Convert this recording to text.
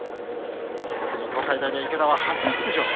特に東海大の池田は初出場。